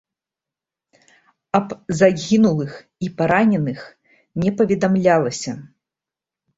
Аб загінулых і параненых не паведамлялася.